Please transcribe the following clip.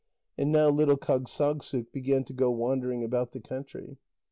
And now little Kâgssagssuk began to go wandering about the country.